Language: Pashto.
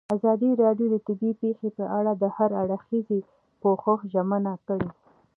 ازادي راډیو د طبیعي پېښې په اړه د هر اړخیز پوښښ ژمنه کړې.